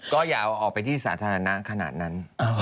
ก็อย่าเอาออกไปที่สาธารณะขนาดนั้น